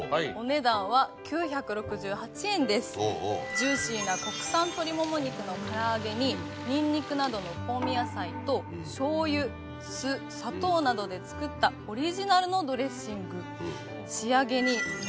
ジューシーな国産鶏もも肉のからあげにニンニクなどの香味野菜と醤油酢砂糖などで作ったオリジナルのドレッシング。